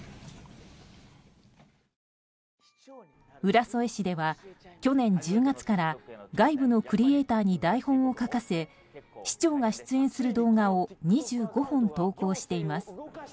浦添市では去年１０月から外部のクリエーターに台本を書かせ、市長が出演する動画を２５本投稿しています。